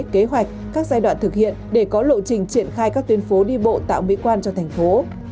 kế hoạch các giai đoạn thực hiện để có lộ trình triển khai các tuyến phố đi bộ tạo mỹ quan cho thành phố